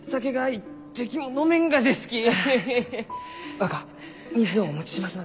若水をお持ちしますね。